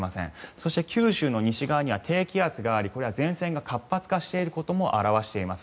そして、九州の西側には低気圧がありこれは前線が活発していることも表しています。